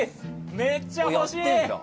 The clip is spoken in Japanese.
めっちゃ欲しい！